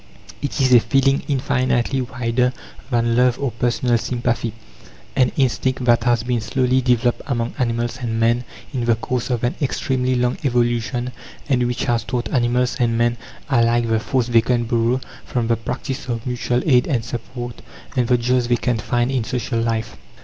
It is a feeling infinitely wider than love or personal sympathy an instinct that has been slowly developed among animals and men in the course of an extremely long evolution, and which has taught animals and men alike the force they can borrow from the practice of mutual aid and support, and the joys they can find in social life.